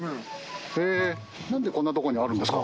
へぇ何でこんなとこにあるんですか？